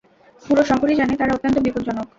পুরো শহরই জানে তারা অত্যন্ত বিপজ্জনক।